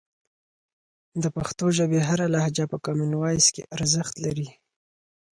د پښتو ژبې هره لهجه په کامن وایس کې ارزښت لري.